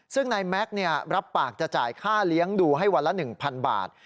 ซึ่งนายแม็กซ์รับปากจะจ่ายค่าเลี้ยงดูให้วันละ๑๐๐บาท